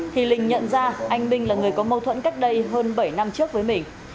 thì linh nhận ra anh minh là người có mâu thuẫn cách đây hơn bảy năm trước với mình